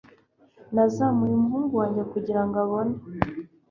Nazamuye umuhungu wanjye kugirango abone